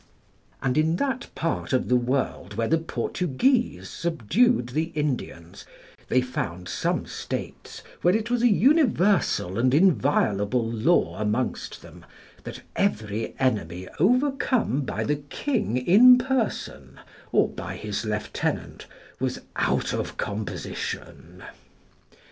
And in that part of the world where the Portuguese subdued the Indians, they found some states where it was a universal and inviolable law amongst them that every enemy overcome by the king in person, or by his lieutenant, was out of composition.